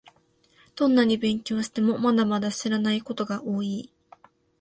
どんなに勉強しても、まだまだ知らないことが多い